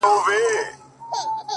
• قاضي صاحبه ملامت نه یم بچي وږي وه؛